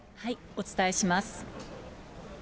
お伝えします。